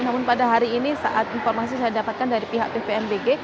namun pada hari ini saat informasi saya dapatkan dari pihak pvmbg